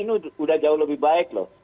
ini sudah jauh lebih baik loh